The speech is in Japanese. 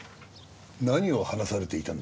何を話されていたんですか？